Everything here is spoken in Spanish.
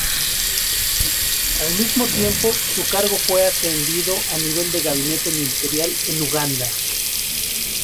Al mismo tiempo, su cargo fue ascendido a nivel de gabinete ministerial en Uganda.